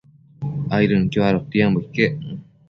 Aidien adotiambo iquec